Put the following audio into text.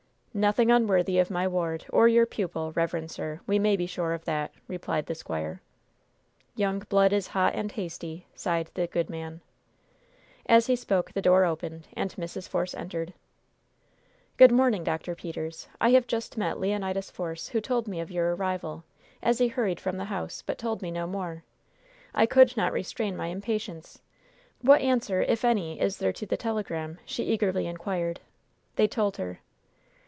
"Nothing unworthy of my ward, or your pupil, reverend sir, we may be sure of that!" replied the squire. "Young blood is hot and hasty!" sighed the good man. As he spoke, the door opened, and Mrs. Force entered. "Good morning, Dr. Peters! I have just met Leonidas Force, who told me of your arrival, as he hurried from the house, but told me no more. I could not restrain my impatience. What answer, if any, is there to the telegram?" she eagerly inquired. They told her.